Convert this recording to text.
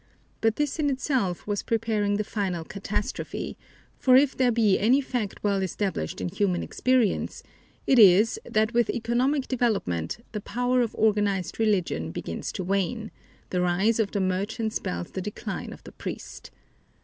But this in itself was preparing the final catastrophe, for if there be any fact well established in human experience it is that with economic development the power of organized religion begins to wane the rise of the merchant spells the decline of the priest.